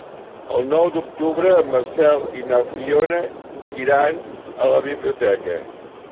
El nou d'octubre en Marcel i na Fiona iran a la biblioteca.